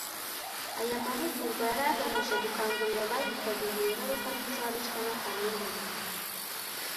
aya mahugurwa yari agamije gukangurira abayitabiriye ingaruka mbi za ruswa n’akarengane